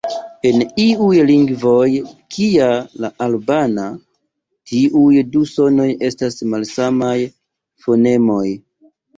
En iuj lingvoj, kia la albana, tiuj du sonoj estas malsamaj fonemoj.